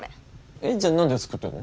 えっじゃあ何で作ってんの？